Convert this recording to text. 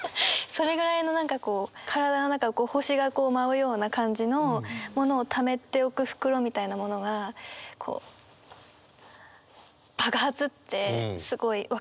それぐらいの何かこう体の中を星が舞うような感じのものをためておく袋みたいなものがこう爆発ってすごい分かるなって思いました。